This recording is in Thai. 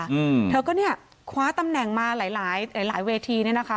อืมเธอก็เนี่ยคว้าตำแหน่งมาหลายเวทีเนี่ยนะคะ